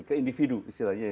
ke individu istilahnya ya